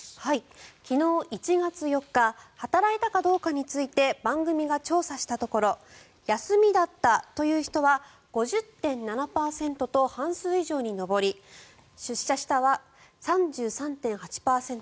昨日、１月４日働いたかどうかについて番組が調査したところ休みだったという人は５０．７％と半数以上に上り出社したは３３．８％。